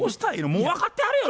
もう分かってはるよ